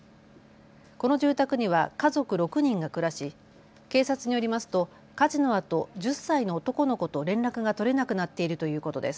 この住宅には家族６人が暮らし警察によりますと火事のあと１０歳の男の子と連絡が取れなくなっているということです。